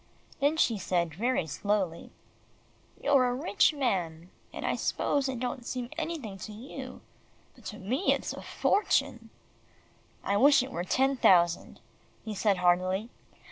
Then she said very slowly, "You're a rich man, and I s'pose it don't seem anything to you, but to me it's a fortune." "I wish it were ten thousand," he said heartily.